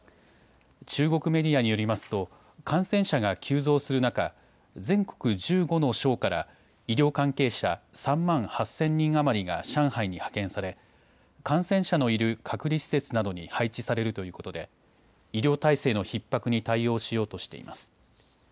中国メディアによりますと感染者が急増する中、全国１５の省から医療関係者３万８０００人余りが上海に派遣され感染者のいる隔離施設などに配置されるということで医療体制のひっ迫に対応しようとしています。